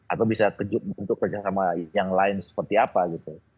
atau bisa bentuk kerjasama yang lain seperti apa gitu